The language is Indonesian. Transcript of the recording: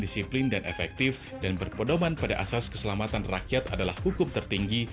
disiplin dan efektif dan berpedoman pada asas keselamatan rakyat adalah hukum tertinggi